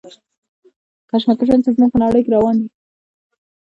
کشمکشونه چې زموږ په نړۍ کې روان دي.